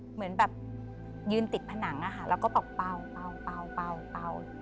เหมือนยืนติดผนังแล้วเปล่า